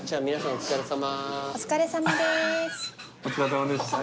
お疲れさまでした。